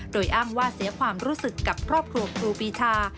โดยอ้างว่าเสียความรู้สึกกับครอบครัวครูปีชา